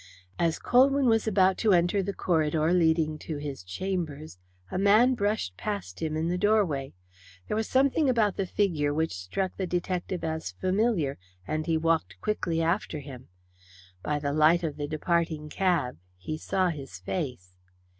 As Colwyn was about to enter the corridor leading to his chambers, a man brushed past him in the doorway. There was something about the figure which struck the detective as familiar, and he walked quickly after him. By the light of the departing cab he saw his face.